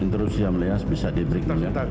interrupsi yang meleas bisa di break sebentar ya